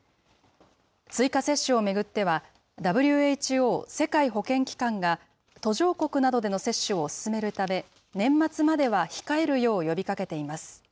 追加接種を巡っては、ＷＨＯ・世界保健機関が途上国などでの接種を進めるため、年末までは控えるよう呼びかけています。